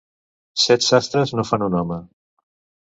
Set sastres no fan un home.